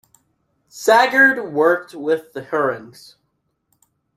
Sagard worked with the Hurons.